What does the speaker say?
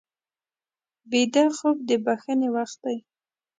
ویده خوب د بښنې وخت دی